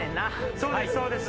そうですそうです。